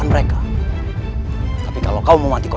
bersama m suprematik